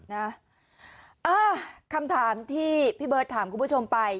อ่าคำถามที่พี่เบิร์ตถามคุณผู้ชมไป